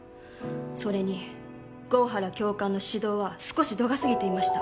それに郷原教官の指導は少し度が過ぎていました。